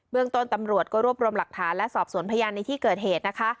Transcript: เรื่องต้นตำรวจก็รวบรวมหลักฐานและสอบสวนพยานในที่เกิดเหตุนะคะ